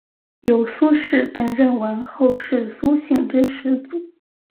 有苏氏被认为是后世苏姓之始祖。